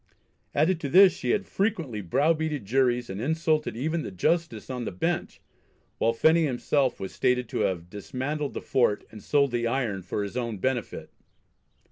Added to this she had "frequently browbeated juries and insulted even the justice on the bench," while Phenney himself was stated to have dismantled the fort, and sold the iron for his own benefit.